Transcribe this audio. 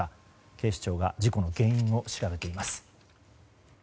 警視庁が事故の原因を調べています。